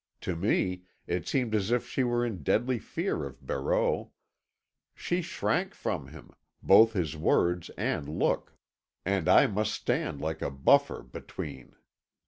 To me, it seemed as if she were in deadly fear of Barreau. She shrank from him, both his word and look. And I must stand like a buffer between.